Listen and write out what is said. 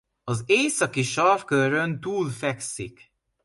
Az északi sarkkörön túl fekszik.